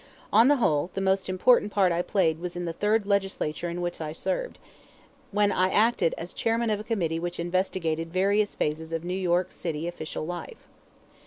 On the whole, the most important part I played was in the third Legislature in which I served, when I acted as chairman of a committee which investigated various phases of New York City official life.